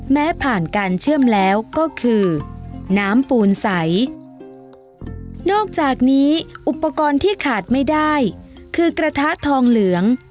ผ่านการเชื่อมแล้วก็คือน้ำปูนใสนอกจากนี้อุปกรณ์ที่ขาดไม่ได้คือกระทะทองเหลือง